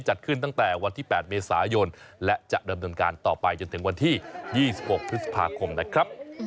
จัดขึ้นตั้งแต่วันที่๘เมษายนและจะดำเนินการต่อไปจนถึงวันที่๒๖พฤษภาคมนะครับ